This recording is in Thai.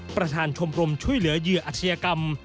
ประธานชมรมช่วยเหลือเหยื่ออาชญากรรม